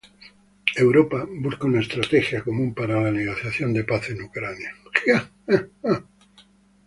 Europa busca una estrategia común para la negociación de paz en Ucrania